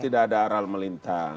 tidak ada aral melintang